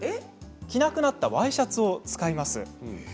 着なくなったワイシャツを使います。